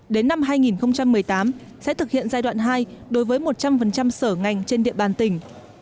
đến năm hai nghìn một mươi tám sẽ thực hiện giai đoạn hai đối với một trăm linh sở ngành trên địa bàn tỉnh